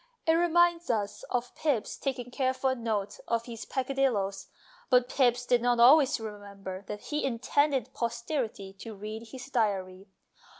It reminds us of Pepys taking careful note of his peccadilloes, but Pepys did not always remember that he intended posterity to read his diary.